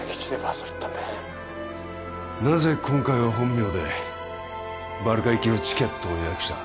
なぜ今回は本名でバルカ行きのチケットを予約した？